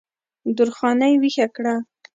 درخانۍ ویښه کړه